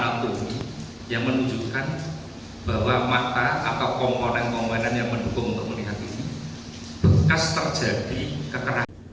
tidak ada secara anatomi yang menunjukkan bahwa mata atau komponen komponen yang mendukung kemuliaan ini bekas terjadi kekerasan